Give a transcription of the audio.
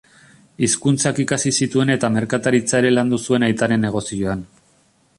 Hizkuntzak ikasi zituen eta merkataritza ere landu zuen aitaren negozioan.